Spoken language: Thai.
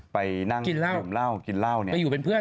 ไปนั่งกินเหล้าไปอยู่เป็นเพื่อน